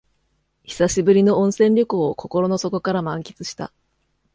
久しぶりの温泉旅行を心の底から満喫した